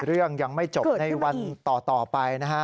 เรื่องยังไม่จบในวันต่อไปนะฮะ